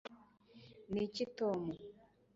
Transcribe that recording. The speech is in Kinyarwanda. niki, tom